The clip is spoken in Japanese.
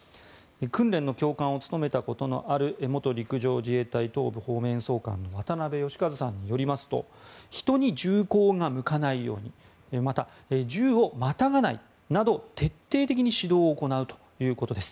訓練の教官を務めたことのある元陸上自衛隊東部方面総監の渡部悦和さんによりますと人に銃口を向かないようにまた、銃をまたがないなど徹底的に指導を行うということです。